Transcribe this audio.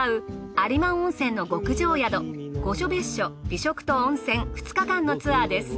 有馬温泉の極上宿御所別墅美食と温泉２日間のツアーです。